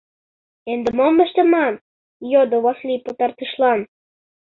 — Ынде мом ыштыман? — йодо Васлий пытартышлан.